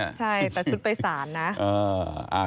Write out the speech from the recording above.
แต่ชุดไปสารนะ